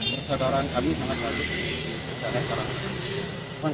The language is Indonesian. persadaran kami sangat bagus di desa adat karangasem